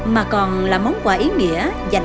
mà còn là món quà ý nghĩa dành